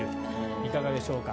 いかがでしょうか。